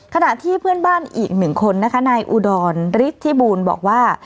ขณะที่เพื่อนบ้านอีกหนึ่งคนนะคะนายอุดรฤทธิบูลบอกว่า